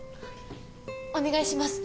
お願いします！